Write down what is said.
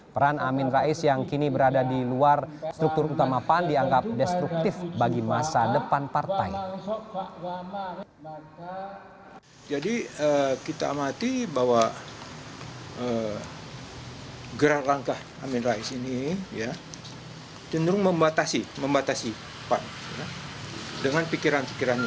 peran amin rais yang kini berada di luar struktur utama pan dianggap destruktif bagi masa depan partai